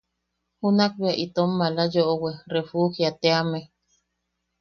Junakbea itom mala yoʼowe Refugiateame.